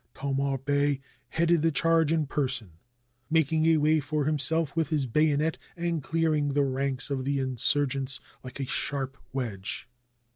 Thomar Bey headed the charge in person, making a way for himself with his bayonet, and clearing the ranks of the insurgents like a sharp wedge.